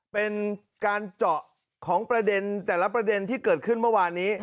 เป็นการเจาะของประเด็นแต่ละประเด็นที่เกิดขึ้นเมื่อวานนี้